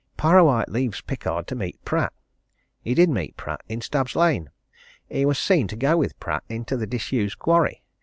Parrawhite leaves Pickard to meet Pratt. He did meet Pratt in Stubbs' Lane. He was seen to go with Pratt into the disused quarry.